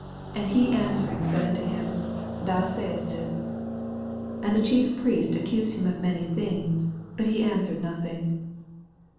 And he answer ing said unto him, Thou sayest it. 3 And the Chief Priests accused him of many things : but he answered nothing.